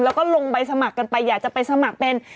แล้วก็ลงใบสมัครกันไปอยากจะไปสมัครเป็น